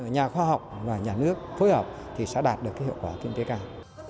nhà khoa học và nhà nước phối hợp thì sẽ đạt được hiệu quả kinh tế cao